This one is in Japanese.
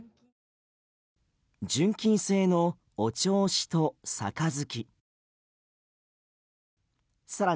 純金製のお銚子と杯。